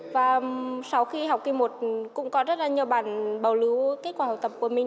và sau khi học kỳ một cũng có rất nhiều bạn bảo lưu kết quả học tập của mình